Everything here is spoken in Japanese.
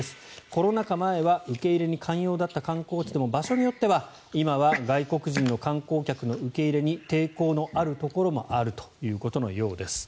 コロナ禍前は受け入れに寛容だった観光地も場所によっては今は外国人の観光客の受け入れに抵抗のあるところもあるということです。